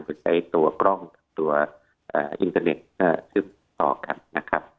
โดยใช้ตัวกล้องกับตัวอินเทอร์เน็ตซึ่งต่อกันนะครับ